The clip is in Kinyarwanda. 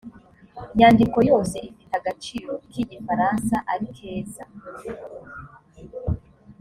nyandiko yose ifite agaciro kifaranga arikeza